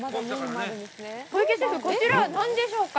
小池シェフ、こちらは何でしょうか。